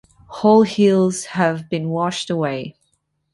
Whole hills have been washed away.